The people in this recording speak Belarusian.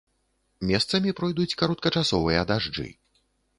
Месцамі пройдуць кароткачасовыя дажджы.